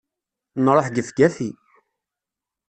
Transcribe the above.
Nruḥ gefgafi!